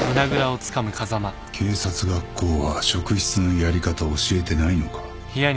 警察学校は職質のやり方を教えてないのか？